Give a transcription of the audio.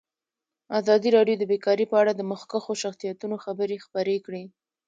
ازادي راډیو د بیکاري په اړه د مخکښو شخصیتونو خبرې خپرې کړي.